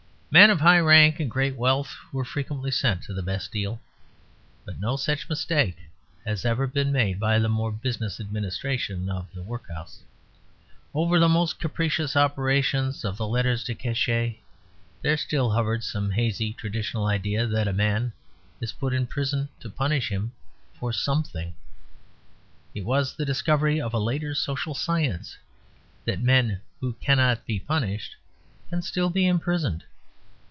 Men of high rank and great wealth were frequently sent to the Bastille; but no such mistake has ever been made by the more business administration of the workhouse. Over the most capricious operations of the lettres de cachet there still hovered some hazy traditional idea that a man is put in prison to punish him for something. It was the discovery of a later social science that men who cannot be punished can still be imprisoned.